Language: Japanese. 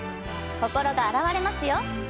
心が洗われますよ！